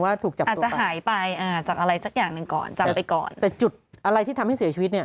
ถูกจับอาจจะหายไปอ่าจากอะไรสักอย่างหนึ่งก่อนจำไปก่อนแต่จุดอะไรที่ทำให้เสียชีวิตเนี่ย